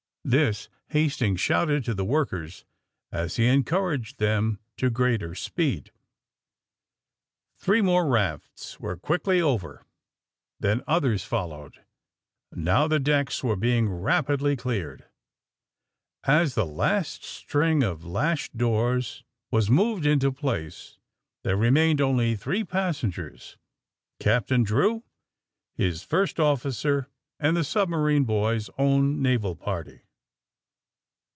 This Hastings shouted to the workers as he encouraged them to greater speed. Three more rafts were quickly over. Then others followed. Now the decks were being rapidly cleared. As the last string of lashed doors was moved into place there remained only three passen gers, Captain Drew, his first officer and the sub marine boys' own naval party.